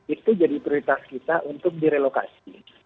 itu jadi prioritas kita untuk direlokasi